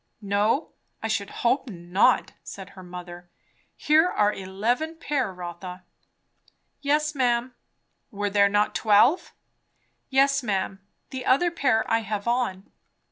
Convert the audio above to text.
"No, I should hope not," said her mother. "Here are eleven pair, Rotha." "Yes, ma'am." "Were there not twelve?" "Yes, ma'am. The other pair I have on."